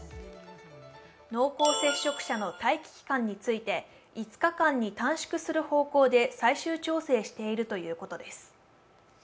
濃厚接触者の待機期間について５日間に短縮する方向で最終調整しているということです